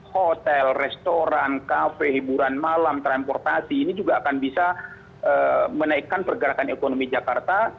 hotel restoran kafe hiburan malam transportasi ini juga akan bisa menaikkan pergerakan ekonomi jakarta